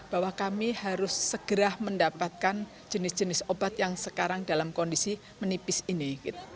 bahwa kami harus segera mendapatkan jenis jenis obat yang sekarang dalam kondisi menipis ini